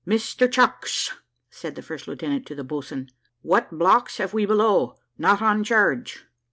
"Mr Chucks," said the first lieutenant to the boatswain, "what blocks have we below not on charge?"